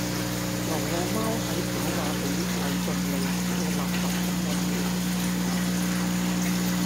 流浪貓喺跑馬地禮頓里嘅垃圾桶搵野食